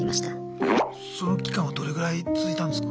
その期間はどれぐらい続いたんですか？